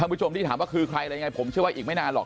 ผู้ชมที่ถามว่าคือใครอะไรยังไงผมเชื่อว่าอีกไม่นานหรอก